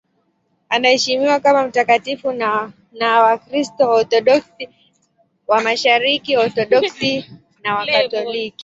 Anaheshimiwa kama mtakatifu na Wakristo Waorthodoksi wa Mashariki, Waorthodoksi na Wakatoliki.